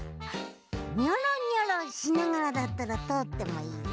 ニョロニョロしながらだったらとおってもいいぞ。